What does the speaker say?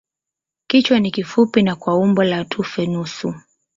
Kichwa ni kifupi na kwa umbo la tufe nusu.